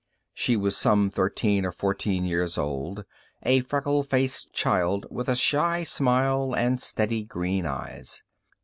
She was some thirteen or fourteen years old, a freckle faced child with a shy smile, and steady green eyes.